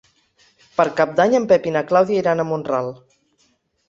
Per Cap d'Any en Pep i na Clàudia iran a Mont-ral.